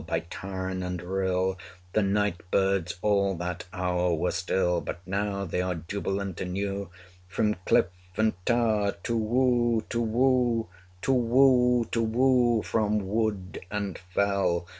By tairn and rill, The night birds all that hour were still. But now they are jubilant anew, From cliff and tower, tu whoo! tu whoo! Tu whoo! tu whoo! from wood and fell!